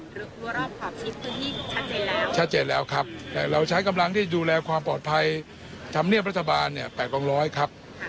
รัวรอบขอบชิดพื้นที่ชัดเจนแล้วชัดเจนแล้วครับแต่เราใช้กำลังที่ดูแลความปลอดภัยธรรมเนียบรัฐบาลเนี่ย๘กองร้อยครับ